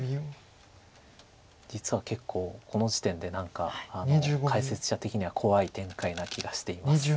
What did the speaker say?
実は結構この時点で何か解説者的には怖い展開な気がしています。